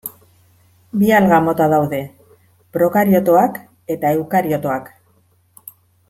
Bi alga mota daude: prokariotoak eta eukariotoak